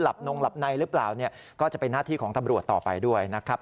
นงหลับในหรือเปล่าเนี่ยก็จะเป็นหน้าที่ของตำรวจต่อไปด้วยนะครับ